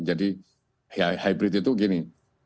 jadi ya hybrid itu gini